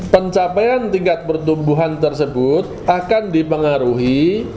pencapaian tingkat pertumbuhan tersebut akan dipengaruhi